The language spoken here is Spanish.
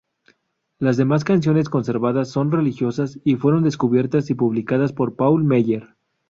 Las demás canciones conservadas son religiosas, y fueron descubiertas y publicadas por Paul Meyer.